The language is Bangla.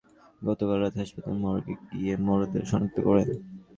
খবর পেয়ে সোলাইমানের স্বজনেরা গতকাল রাতে হাসপাতালের মর্গে গিয়ে মরদেহ শনাক্ত করেন।